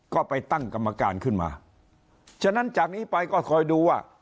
ก็ไปตั้งกรรมการขึ้นมาฉะนั้นจากนี้ไปก็คอยดูว่า